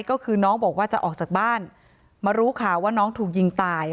ก็คือน้องบอกว่าจะออกจากบ้านมารู้ข่าวว่าน้องถูกยิงตาย